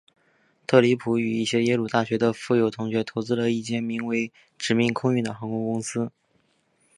特里普与一些耶鲁大学的富有同学投资了一间名为殖民空运的航空公司。